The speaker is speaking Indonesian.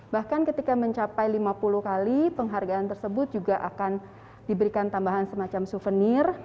bahkan ketika mencapai lima puluh kali penghargaan tersebut juga akan diberikan tambahan semacam souvenir